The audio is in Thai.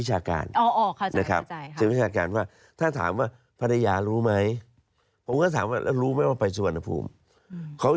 ๔ชั่วโมง